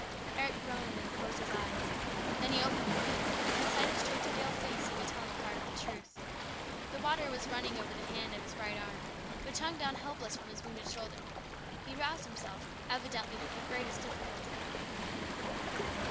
Eric groaned and closed his eyes. Then he opened them again, and the sight of Stuart's pale face seemed to tell him a part of the truth. The water was running over the hand of his right arm, which hung down helpless from his wounded shoulder. He roused himself, evidently with the greatest difficulty.